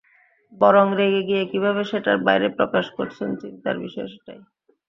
বরং রেগে গিয়ে কীভাবে সেটার বাইরে প্রকাশ করছেন, চিন্তার বিষয় সেটাই।